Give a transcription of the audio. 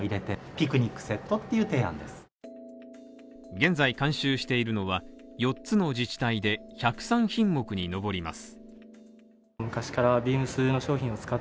現在監修しているのは、四つの自治体で１０３品目に上ります。